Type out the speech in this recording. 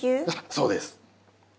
そうです。